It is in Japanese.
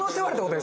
はい。